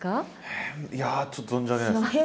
変いやちょっと存じ上げない。